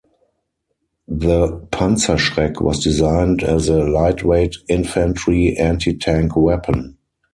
The Panzerschreck was designed as a lightweight infantry anti-tank weapon.